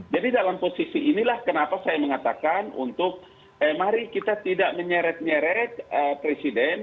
jadi dalam posisi inilah kenapa saya mengatakan untuk mari kita tidak menyeret nyeret presiden